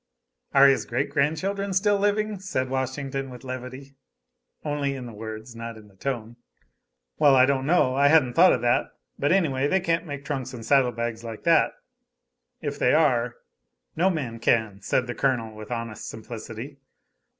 "Are his great grand children still living?" said Washington, with levity only in the words, not in the tone. "Well, I don't know I hadn't thought of that but anyway they can't make trunks and saddle bags like that, if they are no man can," said the Colonel with honest simplicity.